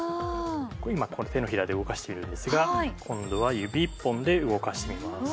今手のひらで動かしているんですが今度は指１本で動かしてみます。